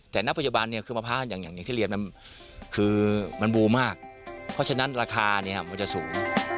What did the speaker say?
แต่น้ำพยาบาลคือมะพร้าวอย่างที่เรียบมันบูมากเพราะฉะนั้นราคานี้จะสูง